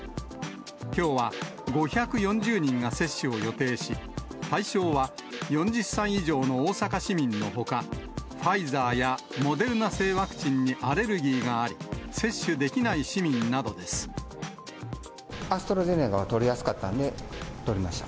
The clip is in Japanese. きょうは５４０人が接種を予定し、対象は４０歳以上の大阪市民のほか、ファイザーやモデルナ製ワクチンにアレルギーがあり、接種できなアストラゼネカは取りやすかったんで、取りました。